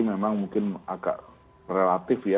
memang mungkin agak relatif